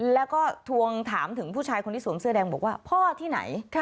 แล้วก็ทวงถามถึงผู้ชายคนที่สวมเสื้อแดงบอกว่าพ่อที่ไหน